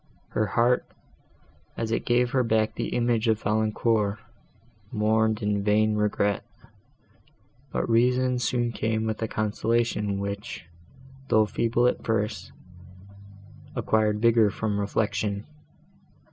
Her heart, as it gave her back the image of Valancourt, mourned in vain regret, but reason soon came with a consolation which, though feeble at first, acquired vigour from reflection.